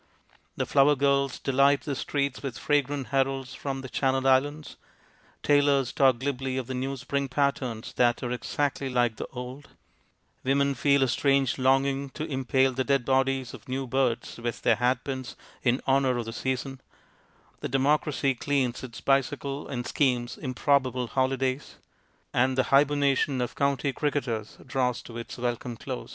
The flower girls de light the streets with fragrant heralds from the Channel Islands ; tailors talk glibly of the new spring patterns that are exactly like the old ; women feel a strange longing to impale the dead bodies of new birds with their hat pins in honour of the season ; the democracy cleans its bicycle and schemes improbable holidays ; and the hibernation 198 UNCOMFORTABLE SPRING 199 of county cricketers draws to its welcome close.